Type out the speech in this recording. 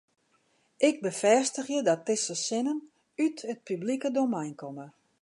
Ik befêstigje dat dizze sinnen út it publike domein komme.